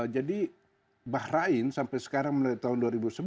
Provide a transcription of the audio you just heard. jadi bahrain sampai sekarang mulai tahun dua ribu sebelas